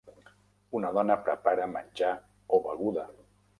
Una dona prepara menjar o beguda.